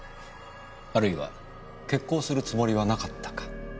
あるいは決行するつもりはなかったか。